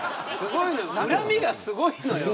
恨みがすごいのよ。